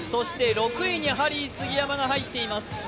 ６位にハリー杉山が入っています。